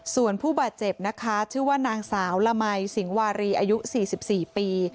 ส่วนผู้บาดเจ็บนะคะชื่อว่านางสาวละไหมสิงหวารีอายุสี่สิบสี่ปี